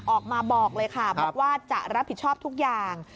ออกมาบอกเลยค่ะบอกว่าจะรับผิดชอบทุกอย่าง